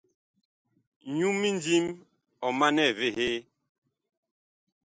Nyu mindím ɔ manɛ evehee.